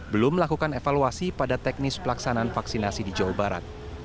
belum melakukan evaluasi pada teknis pelaksanaan vaksinasi di jawa barat